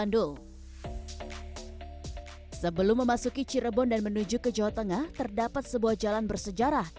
bandung sebelum memasuki cirebon dan menuju ke jawa tengah terdapat sebuah jalan bersejarah